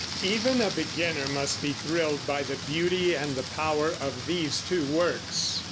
Even a beginner must be thrilled by the beauty and the power of these two works.